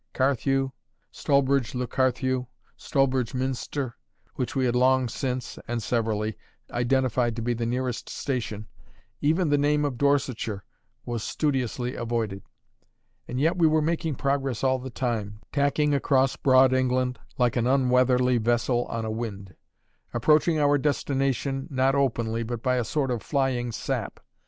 Carthew, Stallbridge le Carthew, Stallbridge Minster which we had long since (and severally) identified to be the nearest station even the name of Dorsetshire was studiously avoided. And yet we were making progress all the time, tacking across broad England like an unweatherly vessel on a wind; approaching our destination, not openly, but by a sort of flying sap.